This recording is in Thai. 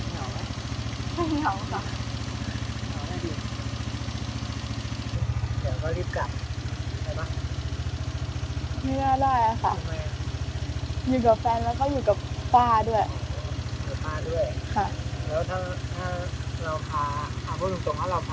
นะคะว่านี้นะคะแต่ได้อยู่กันหรอค่ะ